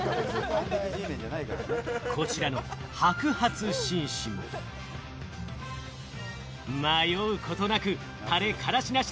こちらの白髪紳士も、迷うことなく、「タレ・カラシなし」